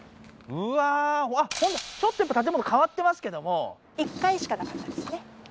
うわあっホントだちょっとやっぱ建物変わってますけども１階しかなかったんですね